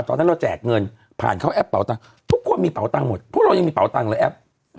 ตอนนั้นเราแจกเงินผ่านเข้าแอปเป่าตังค์ทุกคนมีเป่าตังค์หมดพวกเรายังมีเป๋าตังค์เลยแอป